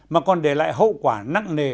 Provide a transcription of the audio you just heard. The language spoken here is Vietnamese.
mà còn để lại hậu quả nặng nề